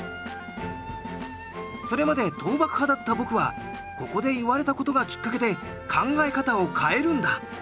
それまで倒幕派だった僕はここで言われた事がきっかけで考え方を変えるんだ。